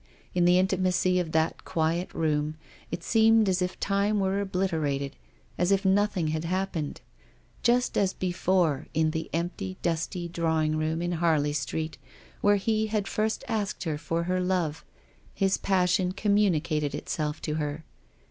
In the intimacy of that quiet room it seemed as if time were obliterated ; as if nothing had happened. Just as before, in the great empty, dusty drawing room in Harley Street, where he had first asked her for love, his passion com municated itself to her.